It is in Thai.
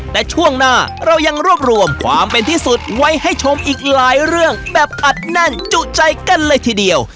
แต่ช่วงหน้าเรายังรวบรวมความเป็นที่สุดไว้ให้ชมอีกหลายเรื่องแบบอัดแน่นจุใจกันเลยทีเดียว